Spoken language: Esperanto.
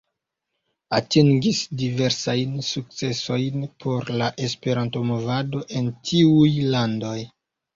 Atingis diversajn sukcesojn por la Esperanto-movado en tiuj landoj.